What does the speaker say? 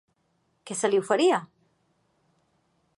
Què se li oferia?